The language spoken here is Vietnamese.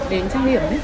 đến trang điểm